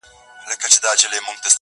ژبور او سترګور دواړه په ګور دي!.